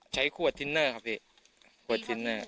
ใช้ขวดทินเนอร์ครับพี่